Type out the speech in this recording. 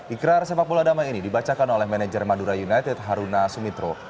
ikrar sepak bola damai ini dibacakan oleh manajer madura united haruna sumitro